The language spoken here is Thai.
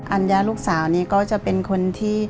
ัญญาลูกสาวนี้ก็จะเป็นคนที่